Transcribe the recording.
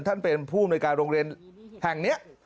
ท่านเป็นผู้อำนวยการโรงเรียนแห่งนี้